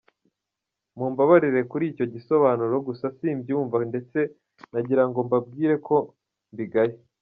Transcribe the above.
Mumbabarire kuri icyo gisobanuro, gusa simbyumva ndetse nagirango mbabwire ko mbigaye.